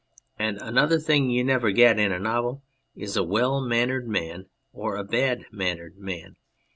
And another thing you never get in a novel is a well mannered man or a bad mannered man.